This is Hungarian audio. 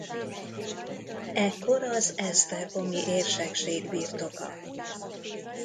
Ekkor az esztergomi érsekség birtoka.